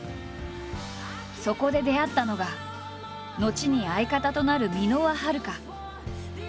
そこで出会ったのが後に相方となる箕輪はるか。